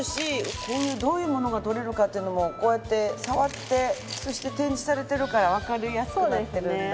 こういうどういうものがとれるかっていうのもこうやって触ってそして展示されてるからわかりやすくなってるんだ。